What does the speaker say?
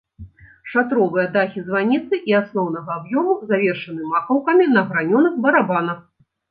Шатровыя дахі званіцы і асноўнага аб'ёму завершаны макаўкамі на гранёных барабанах.